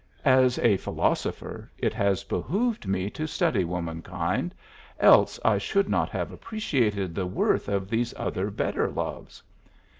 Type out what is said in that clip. As a philosopher it has behooved me to study womankind, else I should not have appreciated the worth of these other better loves.